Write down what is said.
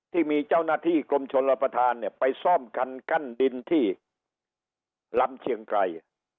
ที่มีเจ้าหน้าที่กรมชนรับประทานเนี่ยไปซ่อมคันกั้นดินที่ลำเชียงไกร